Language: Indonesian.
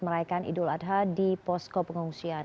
merayakan idul adha di posko pengungsian